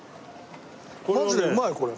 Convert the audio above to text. マジでうまいこれ。